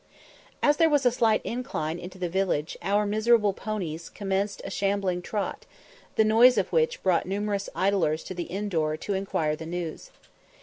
As there was a slight incline into the village, our miserable ponies commenced a shambling trot, the noise of which brought numerous idlers to the inn door to inquire the news.